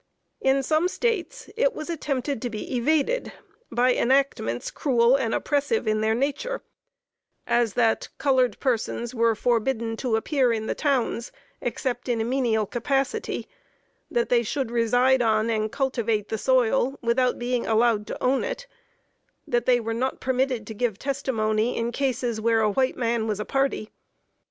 In some States it was attempted to be evaded by enactments cruel and oppressive in their nature, as that colored persons were forbidden to appear in the towns except in a menial capacity; that they should reside on and cultivate the soil without being allowed to own it; that they were not permitted to give testimony in cases where a white man was a party.